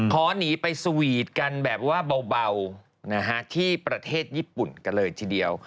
ขอหนีไปสวีทกันแบบว่าเบาที่ประเทศญี่ปุ่นกันเลยทีเดียว